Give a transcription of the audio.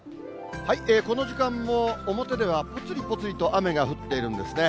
この時間も表では、ぽつりぽつりと雨が降ってるんですね。